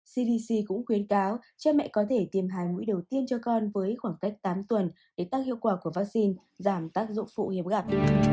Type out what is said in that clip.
cdc cũng khuyến cáo cho mẹ có thể tiêm hai mũi đầu tiên cho con với khoảng cách tám tuần để tác hiệu quả của vaccine giảm tác dụng phụ hiếp gặp